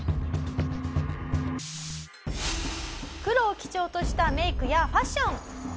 黒を基調としたメイクやファッション。